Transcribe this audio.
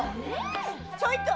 ちょいと！